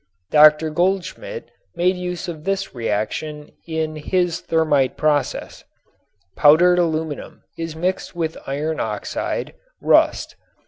Dr. Goldschmidt made use of this reaction in his thermit process. Powdered aluminum is mixed with iron oxide (rust).